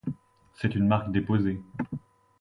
C'est une marque déposée.